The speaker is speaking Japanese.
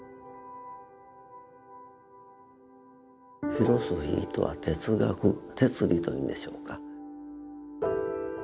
「フィロソフィー」とは「哲学」「哲理」というんでしょうか。